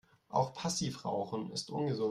Auch Passivrauchen ist ungesund.